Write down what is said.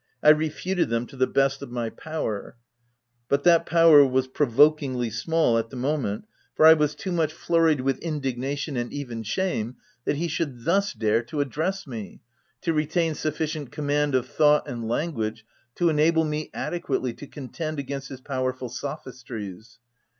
I refuted them to the best of my power ; but that power was provokingly small, at the moment, for I was too much flurried with OF WILDFELL HALL. 363 indignation — and even shame — that he should thus dare to address me, to retain sufficient command of thought and language to enable me adequately to contend against his powerful sophistries.